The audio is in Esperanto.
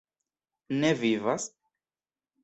Ne Vivas?